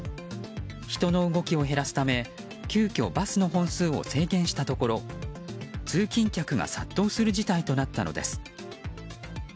人の動きを減らすため急きょ、バスの本数を制限したところ、通勤客が殺到する事態となったんです。